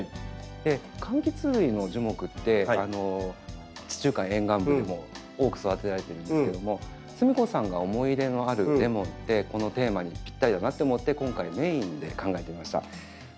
柑橘類の樹木って地中海沿岸部でも多く育てられてるんですけどもすみこさんが思い入れのあるレモンってこのテーマにぴったりだなと思って今回メインで考えてみました。